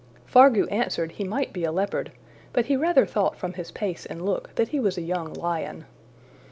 '' Fargu answered he might be a leopard, but he rather thought from his pace and look that he was a young lion.